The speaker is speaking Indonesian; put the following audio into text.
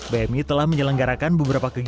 bmi telah menyelenggarakan beberapa kegiatan